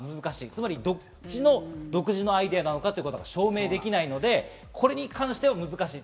つまり独自のアイデアなのかということが証明できないので、これに関しては難しい。